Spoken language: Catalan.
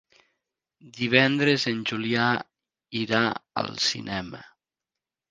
Divendres en Julià irà al cinema.